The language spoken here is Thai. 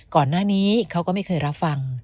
ก่อนหน้านี้เขาก็ไม่เคยรับฟัง